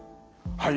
はい。